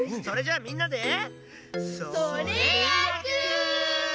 それじゃあみんなで。